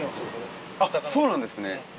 あっそうなんですね。